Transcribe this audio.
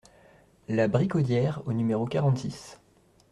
La Bricaudière au numéro quarante-six